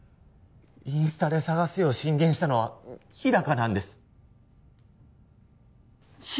インスタで捜すよう進言したのは日高なんです日